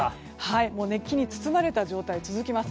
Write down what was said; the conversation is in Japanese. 熱気に包まれた状態が続きます。